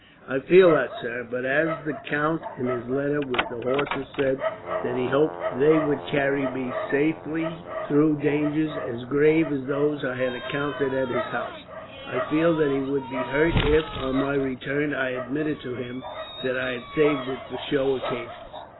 "I feel that, sir; but as the count, in his letter with the horses, said that he hoped they would carry me safely through dangers as grave as those I had encountered at his house, I feel that he would be hurt if, on my return, I admitted to him that I had saved it for show occasions."